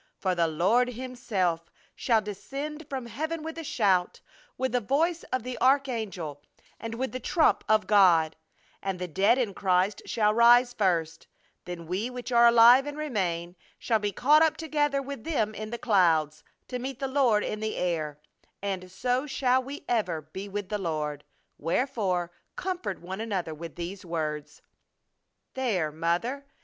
For the Lord Himself shall descend from heaven with a shout, with the voice of the archangel, and with the trump of God: and the dead in Christ shall rise first: Then we which are alive and remain shall be caught up together with them in the clouds, to meet the Lord in the air: and so shall we ever be with the Lord. Wherefore comfort one another with these words. "There, Mother!